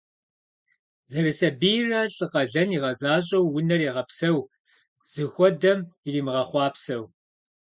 Зэрысабийрэ лӏы къалэн игъэзащӏэу унэр егъэпсэу, зыхуэдэм иримыгъэхъуапсэу.